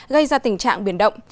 gây ra tình trạng biển động